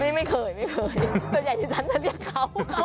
ไม่เคยไม่เคยส่วนใหญ่ที่ฉันจะเรียกเขา